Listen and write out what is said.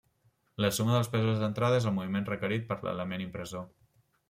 La suma dels pesos d'entrada és el moviment requerit de l'element impressor.